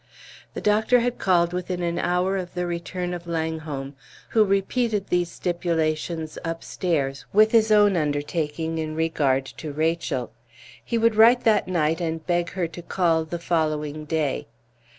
The doctor had called within an hour of the return of Langholm, who repeated these stipulations upstairs, with his own undertaking in regard to Rachel. He would write that night and beg her to call the following day.